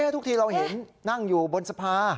ทุกทีเราเห็นนั่งอยู่บนสภา